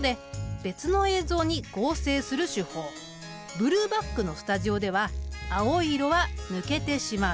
ブルーバックのスタジオでは青い色は抜けてしまう。